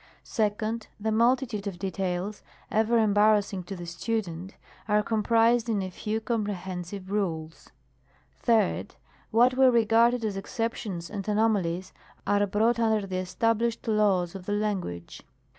2d. The multitude of details, ever embarrassing to the student, are comprised in a few comprehensive rules. 3d. What were regarded as exceptions and anomalies, are brought under the established laws of the language.